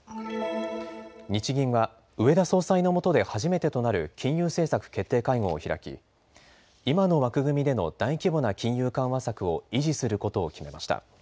日銀は植田総裁のもとで初めてとなる金融政策決定会合を開き今の枠組みでの大規模な金融緩和策を維持することを決めました。